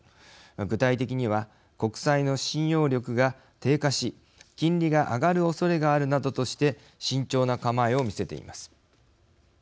具体的には国債の信用力が低下し金利が上がるおそれがあるなどとして慎重な構えを見せています。